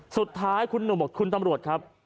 สุดท้ายคุณหนุ่มบอกคุณตำรวจครับ